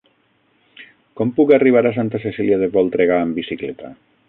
Com puc arribar a Santa Cecília de Voltregà amb bicicleta?